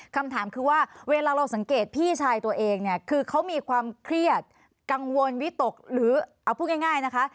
คำถามคือว่าเวลาเราสังเกตพี่ชายตัวเองเนี่ยคือเขามีความเครียดกังวลวิตกหรือเอาพูดง่ายนะคะ